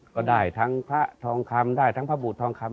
ก็ได้ทั้งพระทองคำได้ทั้งพระบุตรทองคำ